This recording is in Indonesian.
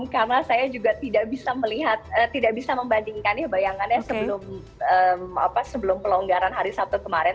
karena saya juga tidak bisa melihat tidak bisa membandingkan ya bayangannya sebelum pelonggaran hari sabtu kemarin